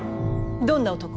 どんな男。